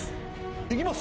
いきます。